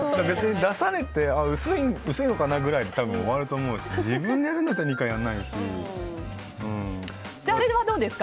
出されて、薄いのかなぐらいで終わると思うし自分でやるんだったら２回やらないし。